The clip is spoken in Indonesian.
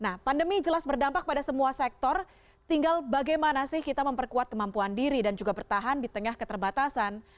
nah pandemi jelas berdampak pada semua sektor tinggal bagaimana sih kita memperkuat kemampuan diri dan juga bertahan di tengah keterbatasan